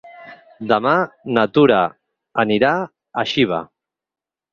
Demà na Tura anirà a Xiva.